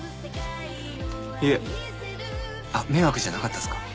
いえあっ迷惑じゃなかったっすか？